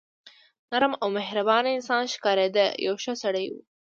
نرم او مهربان انسان ښکارېده، یو ښه سړی و.